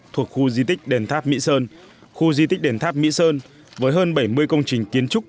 thuộc khu di tích đền tháp mỹ sơn khu di tích đền tháp mỹ sơn với hơn bảy mươi công trình kiến trúc